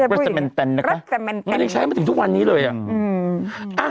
เฮ่ยรัสเซมนเต็นนะคะมันยังใช้มาถึงทุกวันนี้เลยอ่ะอืม